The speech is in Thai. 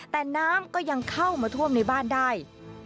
แต่น้ำก็ยังเข้ามาท่วมในบ้านได้